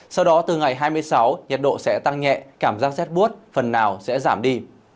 sau đó từ ngày hai mươi sáu nhiệt độ sẽ tăng nhẹ cảm giác rét bút phần nào sẽ giảm đi